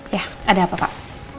ya ada apa pak